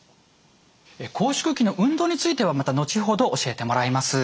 拘縮期の運動についてはまた後ほど教えてもらいます。